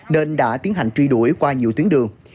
nên đã tiến hành truy đuổi qua nhiều tuyến đường